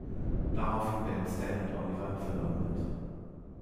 Daraufhin werden Stan und Oliver verleumdet.